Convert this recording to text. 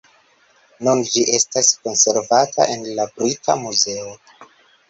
Nun ĝi estas konservata en la Brita Muzeo.